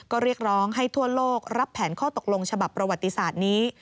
ก็เรียกร้องให้ทั่วโลกรับแผนข้อตกลงฉบับประวัติศาสตร์นี้